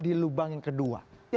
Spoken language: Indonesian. di lubang yang kedua